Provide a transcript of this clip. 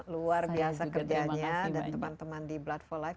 luar biasa kerjanya dan teman teman di blood for life